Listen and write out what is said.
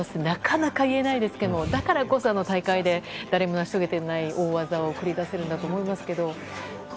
なかなか言えないですけどもだからこそ大会で誰も成し遂げていない大技を繰り出せるんだと思いますけど。